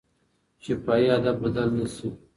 شفاهي ادب بدل نه شي.